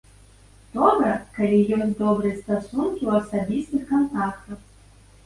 Добра, калі ёсць добрыя стасункі ў асабістых кантактах.